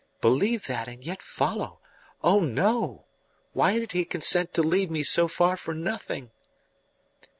"Believe that and yet follow! Oh no! Why did he consent to lead me so far for nothing?"